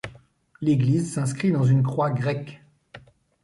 L'église s'inscrit dans une croix grecque.